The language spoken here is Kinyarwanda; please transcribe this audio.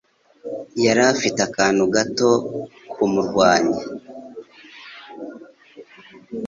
Yari afite akantu gato kumurwanya.